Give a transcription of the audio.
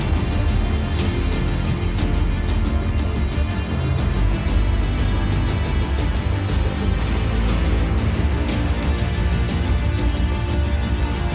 โปรดติดตามตอนต่อไป